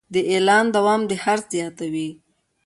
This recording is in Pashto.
د اعلان دوام د خرڅ زیاتوي.